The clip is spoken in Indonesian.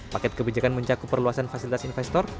paket kebijakan mencakup perluasan fasilitas investor